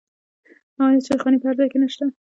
آیا چایخانې په هر ځای کې نشته؟